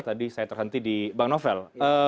tadi saya terhenti di bank novel